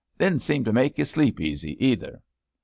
Didn't seem to make you sleep easy, either.'